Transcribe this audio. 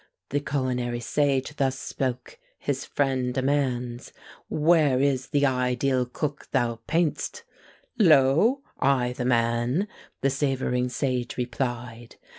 The culinary sage thus spoke: his friend Demands, "Where is the ideal cook thou paint'st?" "Lo, I the man?" the savouring sage replied.